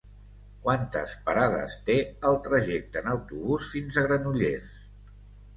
Quantes parades té el trajecte en autobús fins a Granollers?